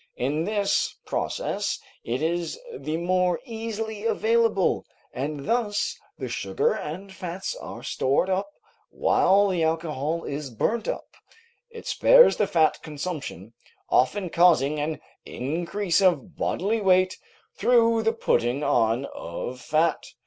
In this process it is the more easily available, and thus the sugar and fats are stored up while the alcohol is burnt up; it spares the fat consumption, often causing an increase of bodily weight through the putting on of fat.